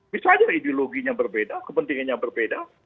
bisa saja ideologinya berbeda kepentingannya berbeda